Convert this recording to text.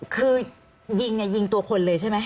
คือยิงตัวคนเลยใช่ไหม